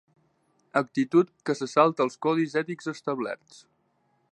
Actitud que se salta els codis ètics establerts.